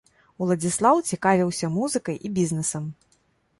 Уладзіслаў цікавіўся музыкай і бізнэсам.